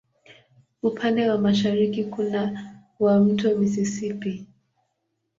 Upande wa mashariki kuna wa Mto Mississippi.